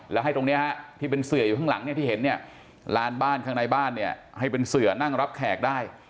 แล้วให้ตรงนี้ที่เป็นเสืออยู่ข้างหลังเนี่ยที่เห็นเนี่ยลานบ้านข้างในบ้านเนี่ยให้เป็นเสือนั่งรับแขกได้